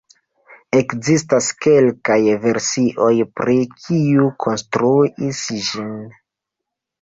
Ekzistas kelkaj versioj pri kiu konstruis ĝin.